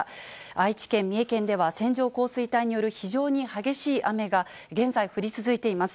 愛知県、三重県では線状降水帯による非常に激しい雨が、現在、降り続いています。